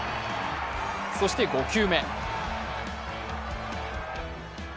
そして５球目。